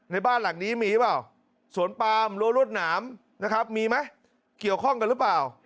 ในบ้านหลังนี้มีหรือเปล่าสวนปามรั้วรวดหนามนะครับมีไหมเกี่ยวข้องกันหรือเปล่า